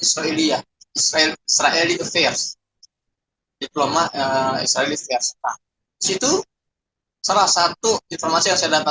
israel israeli affairs diploma israelis itu salah satu informasi yang saya dapatkan